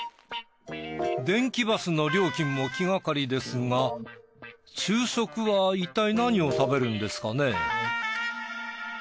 電気バスの料金も気がかりですが昼食はいったい何を食べるんですかね。